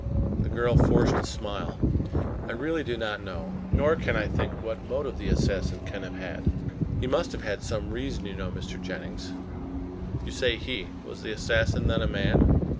The girl forced a smile. "I really do not know, nor can I think what motive the assassin can have had. He must have had some reason, you know, Mr. Jennings." "You say 'he.' Was the assassin then a man?"